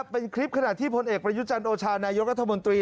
เป็นคลิปขณะที่พลเอกประยุจันทร์โอชานายกรัฐมนตรี